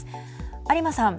有馬さん。